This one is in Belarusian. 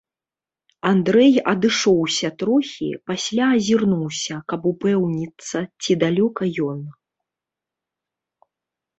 Андрэй адышоўся трохі, пасля азірнуўся, каб упэўніцца, ці далёка ён.